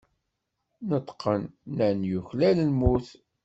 Neṭqen, nnan: Yuklal lmut.